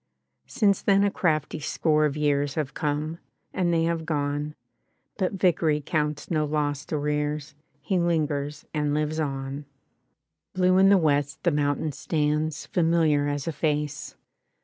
Since then a crafty score of years Have come, and they have gone; But Vickeiy counts no lost arrears: He lingers and lives on. [1041 Blue in the west the mountain stands^ Familiar as a face.